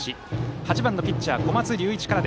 ８番ピッチャー、小松龍一から。